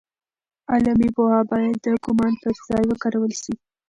علمي پوهه باید د ګومان پر ځای وکارول سي.